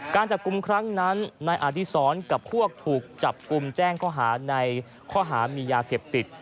การจับกลุ่มครั้งนั้นนายอดีศรกับพวกถูกจับกลุ่มแจ้งข้อหาในข้อหามียาเสพติด